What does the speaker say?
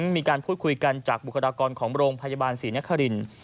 มีการพูดคุยกันจากบุคลากรของโรงพยาบาลศรีนครินทร์